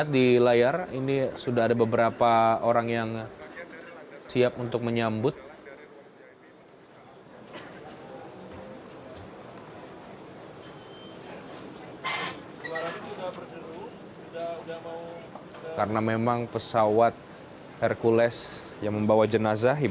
milik tni au yang membawa jenazah